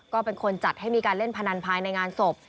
ก็เป็นคนจัดให้มีการเล่นพนันภายในงานศพ